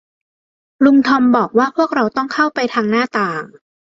ลุงทอมบอกว่าพวกเราต้องเข้าไปทางหน้าต่าง